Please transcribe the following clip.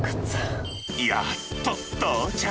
やっと到着。